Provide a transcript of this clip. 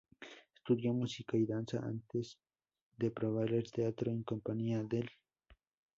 Estudió música y danza, antes de probar el teatro en compañía del St.